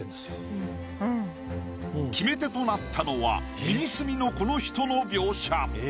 決め手となったのは右隅のこの人の描写。